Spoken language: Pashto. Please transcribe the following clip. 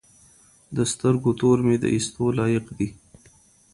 د سترګو تور مي د ايستو لايق دي